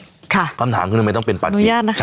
คำถามคืออาจที่ไหนต้องเป็นปลาจีน